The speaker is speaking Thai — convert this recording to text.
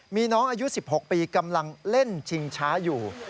มีน้องอายุ๑๖ปีกำลังเล่นชิงช้าอยู่